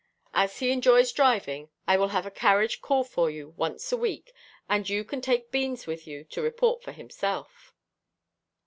As he enjoys driving, I will have a carriage call for you once a week, and you can take Beans with you to report for himself."